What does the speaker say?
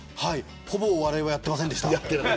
ほぼお笑いはやってませんでした。